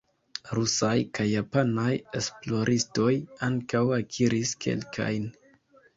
Rusaj kaj japanaj esploristoj ankaŭ akiris kelkajn.